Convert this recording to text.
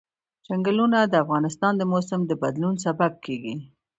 چنګلونه د افغانستان د موسم د بدلون سبب کېږي.